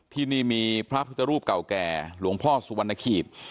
ที่นี่มีพระพุทธรูปเก่าแก่หลวงพ่อสุวรรณขีด